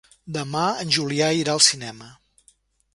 Demà en Julià irà al cinema.